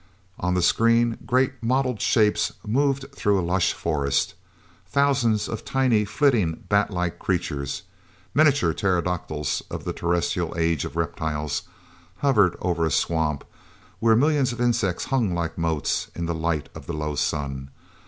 On the screen, great, mottled shapes moved through a lush forest. Thousands of tiny, flitting bat like creatures miniature pterodactyls of the terrestrial Age of Reptiles hovered over a swamp, where millions of insects hung like motes in the light of the low sun.